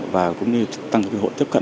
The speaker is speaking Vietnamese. và cũng tăng cơ hội tiếp cận